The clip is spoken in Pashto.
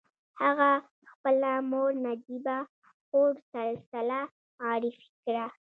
هغه خپله مور نجيبه خور سلسله معرفي کړه.